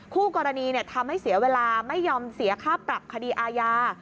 คู่กรณีทำให้เสียเวลาไม่ยอมเสียค่าปรับคดีอาญา